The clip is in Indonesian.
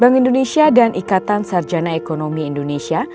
bank indonesia dan ikatan sarjana ekonomi indonesia